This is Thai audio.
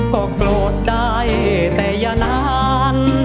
ก็โกรธได้แต่อย่านาน